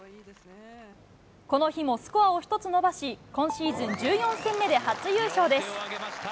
この日もスコアを１つ伸ばし、今シーズン１４戦目で初優勝です。